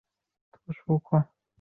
道光二十七年成丁未科二甲进士。